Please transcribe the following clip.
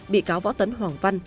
bị cáo võ tấn hoàng văn